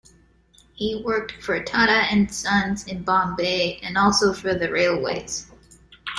He worked for Tata and Sons in Bombay and also for the Railways.